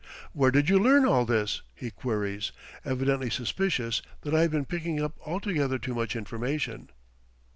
"Where did you learn all this." he queries, evidently suspicious that I have been picking up altogether too much information.